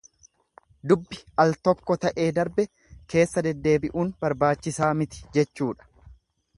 Dubbi al tokko ta'ee darbe keessa deebi'uun barbaachisaa miti jechuudha.